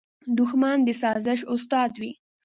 دښمن د سازش استاد وي